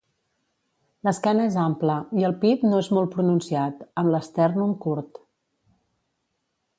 L'esquena és ampla, i el pit no és molt pronunciat, amb l'estèrnum curt.